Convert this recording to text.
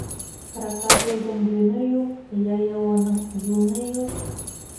Крокодилдың йөнө юҡ, Йыйыуының йуне юҡ.